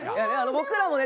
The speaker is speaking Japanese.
僕らもね